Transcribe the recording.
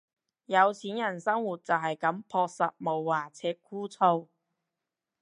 有錢人生活就係咁樸實無華且枯燥